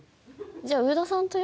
じゃあ宇田さんと。